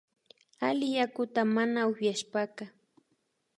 Alli yakuta mana upyashpaka